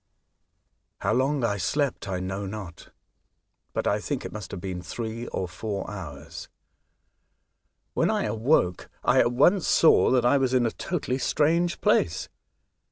How long I slept I know not; I think it must have been three or four hours. When I awoke I at once saw that I was in a totally strange place.